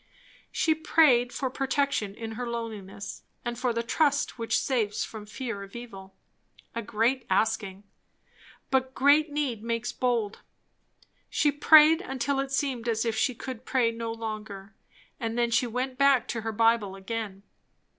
She prayed for protection in her loneliness, and for the trust which saves from fear of evil. A great asking! but great need makes bold. She prayed, until it seemed as if she could pray no longer; and then she went back to her Bible again.